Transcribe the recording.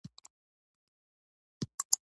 هغه چې پاتې شول هغه همدلته پرېږدي.